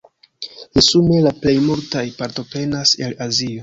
Resume la plej multaj partoprenas el Azio.